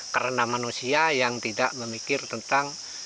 karena manusia yang tidak memikir tentang